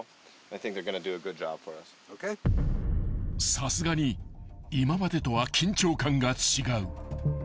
［さすがに今までとは緊張感が違う］